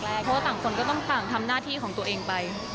เพราะว่าต่างคนก็ต้องต่างทำหน้าที่ของตัวเองไป